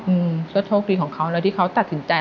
อืมก็โชคดีของเขาแล้วที่เขาตัดสินใจ